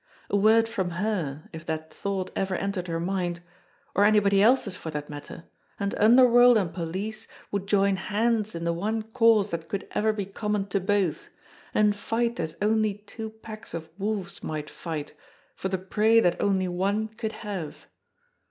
A word from her, if that thought ever entered her mind, or anybody else's for that matter, and underworld and police would join hands in the one cause that could ever be common to both, and fight as only two packs of wolves might fight for the prey that only one could have.